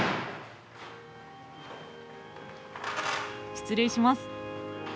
失礼します。